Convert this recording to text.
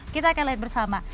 kita akan lihat bersama